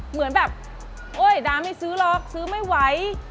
เหมือนแบบโอ๊ยดาไม่ซื้อหรอกซื้อไม่ไหว